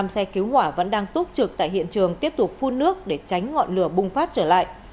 năm xe cứu hỏa vẫn đang túc trực tại hiện trường tiếp tục phun nước để tránh ngọn lửa bùng phát trở lại